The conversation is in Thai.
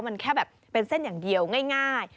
มันแค่แบบเป็นเส้นอย่างเดียวง่าย